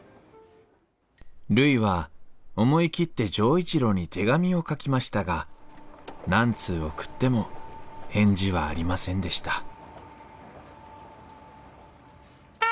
るいは思い切って錠一郎に手紙を書きましたが何通送っても返事はありませんでした